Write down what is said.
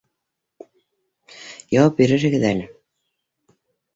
Яуап бирерһегеҙ әле